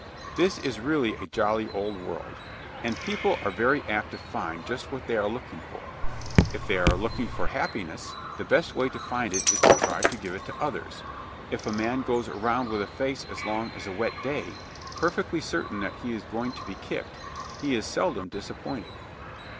This is really a jolly old world, and people are very apt to find just what they are looking for. If they are looking for happiness, the best way to find it is to try to give it to others. If a man goes around with a face as long as a wet day, perfectly certain that he is going to be kicked, he is seldom disappointed.